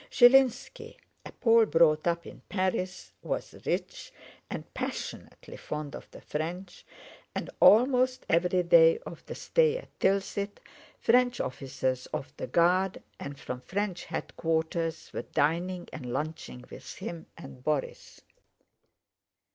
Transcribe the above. Zhilínski, a Pole brought up in Paris, was rich, and passionately fond of the French, and almost every day of the stay at Tilsit, French officers of the Guard and from French headquarters were dining and lunching with him and Borís.